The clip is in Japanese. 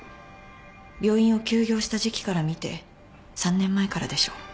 病院を休業した時期からみて３年前からでしょう。